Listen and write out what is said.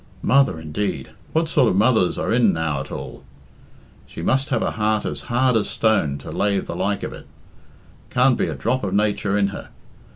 Mother, indeed! What sort of mothers are in now at all? She must have a heart as hard as a stone to lave the like of it. Can't be a drop of nature in her....